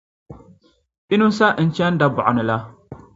Inusah n-chani Dabogni la.